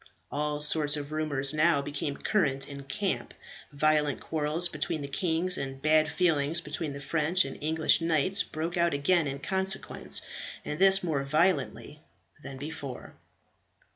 All sorts of rumours now became current in camp; violent quarrels between the kings, and bad feeling between the French and English knights, broke out again in consequence, and this more violently than before.